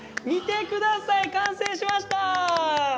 見てください、完成しました。